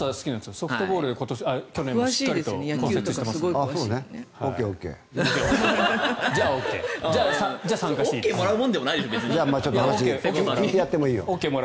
ソフトボールで去年、しっかりと骨折してますから。